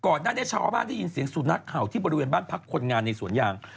ก่อนหน้านี้ชาวบ้านได้ยินเสียงสุนัขเห่าที่บริเวณบ้านพักคนงานในสวนยาง